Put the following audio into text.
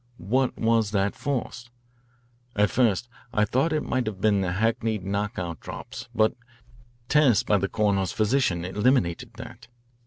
What was that force? At first I thought it might have been the hackneyed knock out drops, but tests by the coroner's physician eliminated that.